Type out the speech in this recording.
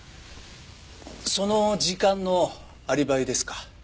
その時間のアリバイですか？